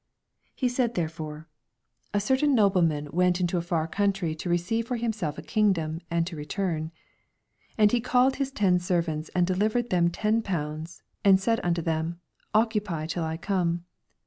12 He said therefore. A certain no 13* 298 EXPOSITORY THOUGHTS. blemiin went into a far country to re ceive for himself a kingdom, and to return. 13 And he called his ten servants, and delivered them ten pounds, ana Biud onto them, Occupy till I come.